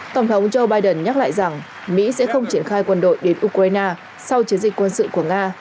tổng thống joe biden nhắc lại rằng mỹ sẽ không triển khai quân đội đến ukraine sau chiến dịch quân sự của nga